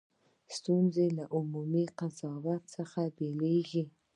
ستونزه له عمومي قضاوت څخه پیلېږي.